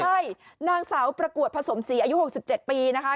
ใช่นางสาวประกวดผสมศรีอายุ๖๗ปีนะคะ